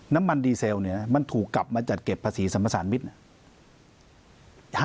น้ำมันดีเซลมันถูกกลับมาจัดเก็บภาษีสรรพสารวิทย์